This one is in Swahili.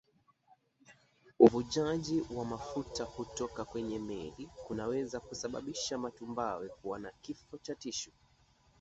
Uvujaji wa mafuta kutoka kwenye meli kunaweza kusababisha matumbawe kuwa na kifo cha tishu